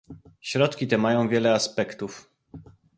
Środki te mają wiele aspektów